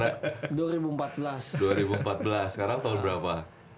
dua ribu empat belas sekarang tahun berapa